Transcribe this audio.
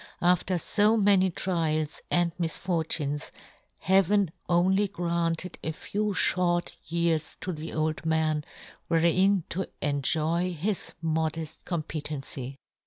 After fo'many trials and misfortunes, Heaven only granted a few fhort years to the old man, wherein to enjoy his modefl competency.